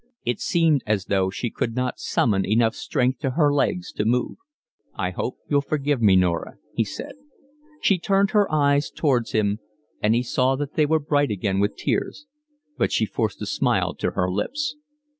It seemed as though she could not summon enough strength to her legs to move. "I hope you'll forgive me, Norah," he said. She turned her eyes towards him, and he saw that they were bright again with tears, but she forced a smile to her lips.